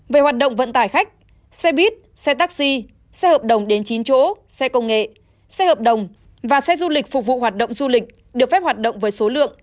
về hoạt động vận tải khách xe buýt xe taxi xe hợp đồng đến chín chỗ xe công nghệ xe hợp đồng và xe du lịch phục vụ hoạt động du lịch được phép hoạt động với số lượng